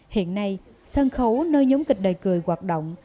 hiện nay sân khấu nơi nhóm kịch đời cười hoạt động